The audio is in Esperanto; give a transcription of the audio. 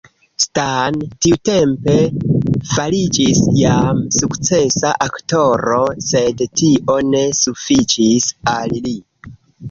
Stan tiutempe fariĝis jam sukcesa aktoro, sed tio ne sufiĉis al li.